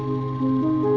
tidak ada yang tahu